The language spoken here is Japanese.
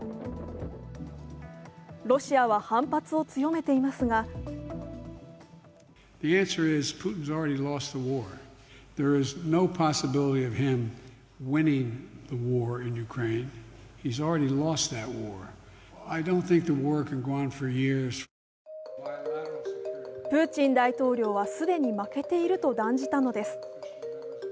ロシアは反発を強めていますがプーチン大統領は既に負けていると断じたのです。